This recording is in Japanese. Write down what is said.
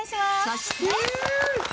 そして。